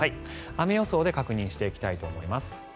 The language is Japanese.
雨予想で確認していきたいと思います。